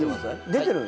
出てる？